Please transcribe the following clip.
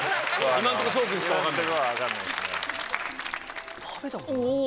今のところ翔君しか分かんない。